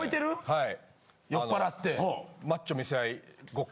はい。